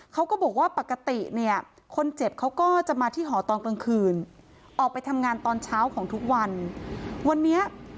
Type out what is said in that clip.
เขาก็บอกว่าปกติเนี่ยคนเจ็บเขาก็จะมาที่หอตอนกลางคืน